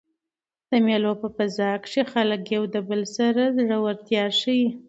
د مېلو په فضا کښي خلک له یو بل سره زړورتیا ښيي.